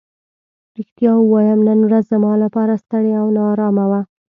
رښتیا ووایم نن ورځ زما لپاره ستړې او نا ارامه وه.